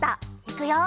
いくよ。